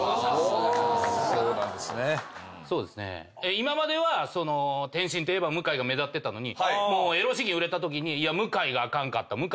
今までは天津といえば向が目立ってたのにもうエロ詩吟売れたときに向があかんかった。